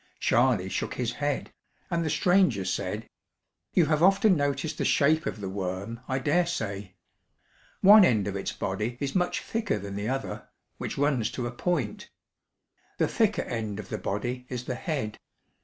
Charley shook his head, and the stranger said: "You have often noticed the shape of the worm, I dare say. One end of its body is much thicker than the other, which runs to a point. The thicker end of the body is the head.